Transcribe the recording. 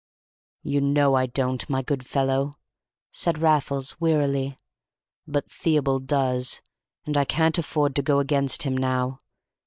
"You know I don't, my good fellow," said Raffles, wearily; "but Theobald does, and I can't afford to go against him now.